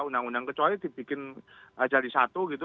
undang undang kecuali dibikin jadi satu gitu